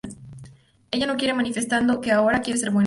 Ella no quiere, manifestando que ahora "quiere ser buena".